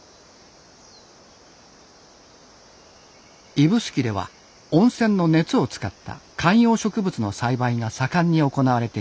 指宿では温泉の熱を使った観葉植物の栽培が盛んに行われています。